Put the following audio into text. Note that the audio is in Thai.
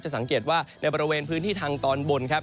สังเกตว่าในบริเวณพื้นที่ทางตอนบนครับ